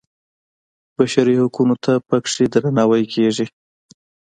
بشري حقونو ته په کې درناوی کېږي.